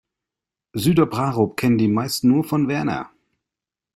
Süderbrarup kennen die meisten nur von Werner.